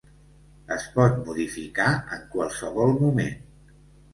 Es pot modificar en qualsevol moment.